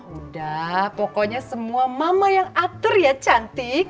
udah pokoknya semua mama yang atur ya cantik